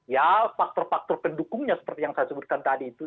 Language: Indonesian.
ya faktor faktor pendukungnya seperti yang saya sebutkan tadi itu